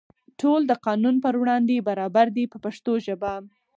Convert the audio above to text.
ټول د قانون په وړاندې برابر دي په پښتو ژبه.